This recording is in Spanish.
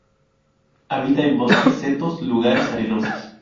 Habita en bosques, setos, lugares arenosos.